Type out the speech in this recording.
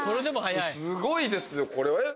すごいですよこれ。